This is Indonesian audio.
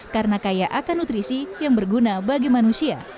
karena kaya akan nutrisi yang berguna bagi manusia